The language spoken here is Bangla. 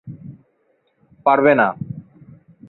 পারবে না।